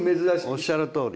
おっしゃるとおり。